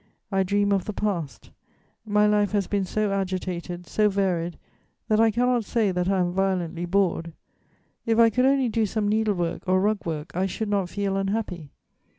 I dream of the past: my life has been so agitated, so varied, that I cannot say that I am violently bored: if I could only do some needle work or rug work, I should not feel unhappy.